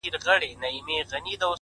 • څه مالونه مي راغلي له اېران دي -